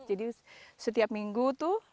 jadi setiap minggu itu